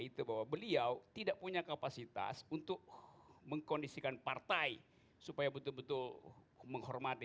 itu bahwa beliau tidak punya kapasitas untuk mengkondisikan partai supaya betul betul menghormati